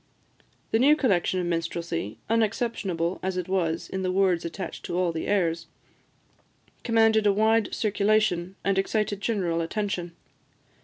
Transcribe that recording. The new collection of minstrelsy, unexceptionable as it was in the words attached to all the airs, commanded a wide circulation, and excited general attention.